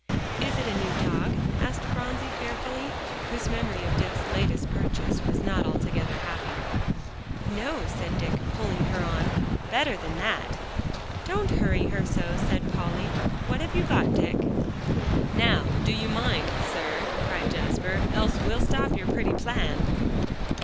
"Is it a new dog?" asked Phronsie fearfully, whose memory of Dick's latest purchase was not altogether happy. "No," said Dick, pulling her on, "better than that." "Don't hurry her so," said Polly. "What have you got, Dick?" "Now, do you mind, sir," cried Jasper, "else well stop your pretty plan."